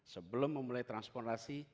sebelum memulai transponasi